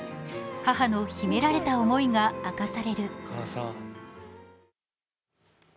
母の秘められた思いが明かされる。